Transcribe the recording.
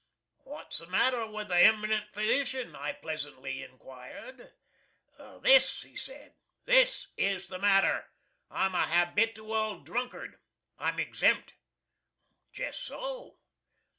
"What's the matter with the eminent physician?" I pleasantly inquired. "This," he said; "this is what's the matter. I'm a habit ooal drunkard! I'm exempt!" "Jes' so."